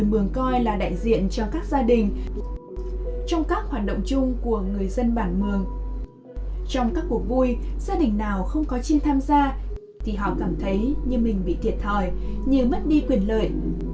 không có chim tham gia thì họ cảm thấy như mình bị thiệt thòi như mất đi quyền lợi